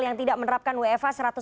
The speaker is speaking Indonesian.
yang tidak menerapkan wfa